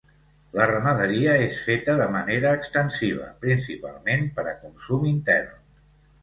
La ramaderia és feta de manera extensiva, principalment per a consum intern.